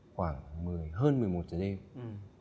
khoảng một mươi hơn một mươi một giờ đêm